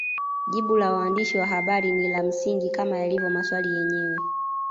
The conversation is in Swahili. Jibu la mwandishi wa habari ni la msingi kama yalivyo maswali yenyewe